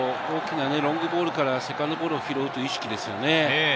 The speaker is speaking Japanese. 大きなロングボールからセカンドボールを拾うという意識ですね。